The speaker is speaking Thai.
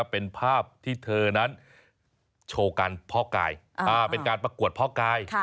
เพราะฉะนั้นโชว์การเพราะกายเป็นการประกวดเพราะกาย